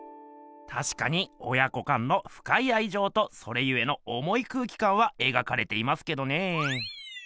たしかに親子間のふかいあいじょうとそれゆえのおもい空気かんは描かれていますけどね。